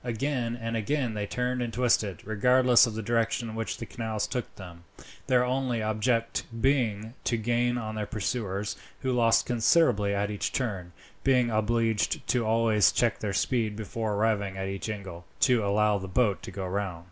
Again and again they turned and twisted, regardless of the direction in which the canals took them, their only object being to gain on their pursuers, who lost considerably at each turn, being obliged always to check their speed, before arriving at each angle, to allow the boat to go round.